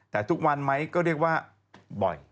แต่ทุกวันไหมก็เรียกว่าบ่อย